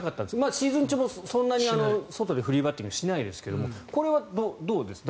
シーズン中もそんなに外でフリーバッティングはしないですけどこれはどうですか。